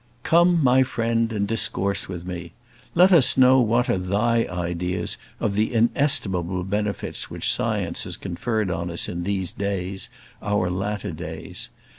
Come, my friend, and discourse with me. Let us know what are thy ideas of the inestimable benefits which science has conferred on us in these, our latter days.